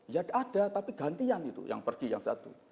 ya ada tapi gantian itu yang pergi yang satu